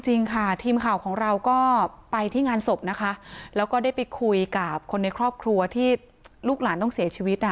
จริงค่ะทีมข่าวของเราก็ไปที่งานศพนะคะแล้วก็ได้ไปคุยกับคนในครอบครัวที่ลูกหลานต้องเสียชีวิตอ่ะ